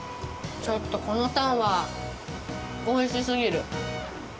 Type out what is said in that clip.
ちょっとこのタンはおいしすぎる。